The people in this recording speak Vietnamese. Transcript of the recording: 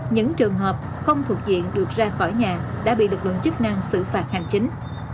những trường hợp không thuộc diện được ra khỏi nhà đã bị lực lượng chức năng xử phạt hành chính